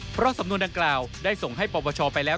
เพราะสำนวนดังกล่าวได้ส่งให้ปปชไปแล้ว